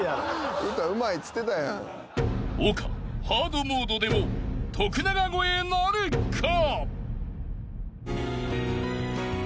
［丘ハードモードでも徳永超えなるか？］